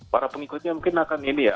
para pengikutnya mungkin akan ini ya